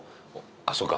あっそうか。